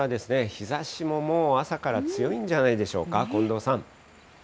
日ざしももう朝から強いんじゃないでしょうか。